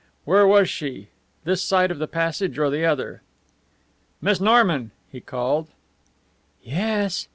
Where was she? This side of the passage or the other? "Miss Norman?" he called. "Yes?"